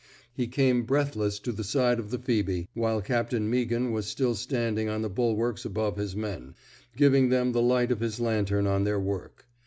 He came breathless to the side of the Phoebe, while Captain Meaghan was still standing on the bulwarks above his men, giving them the light of his lantern on their work.